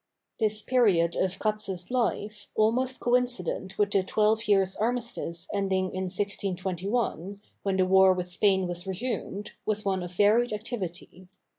This period of Cats's life, almost coincident with the twelve years' armistice ending in 1621, when the war with Spain was resumed, was one of varied activity.